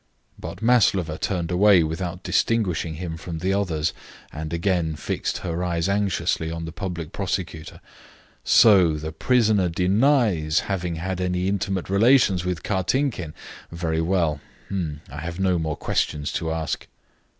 But Maslova turned away without distinguishing him from the others, and again fixed her eyes anxiously on the public prosecutor. "So the prisoner denies having had any intimate relations with Kartinkin? Very well, I have no more questions to ask."